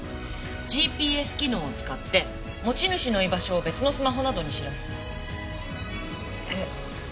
ＧＰＳ機能を使って持ち主の居場所を別のスマホなどに知らせるえっ。